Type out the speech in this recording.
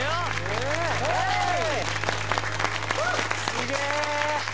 すげえ！